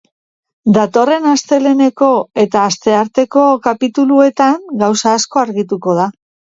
Datorren asteleheneko eta astearteko kapituluetan gauza asko argituko da.